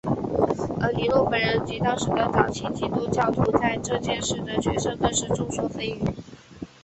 而尼禄本人及当时的早期基督教徒在这件事的角色更是众说纷纭。